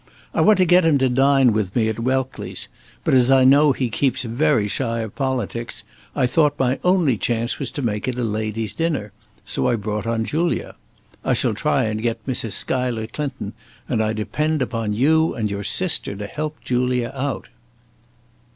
I want to get him to dine with me at Welckley's, but as I know he keeps very shy of politics I thought my only chance was to make it a ladies' dinner, so I brought on Julia. I shall try and get Mrs. Schuyler Clinton, and I depend upon you and your sister to help Julia out."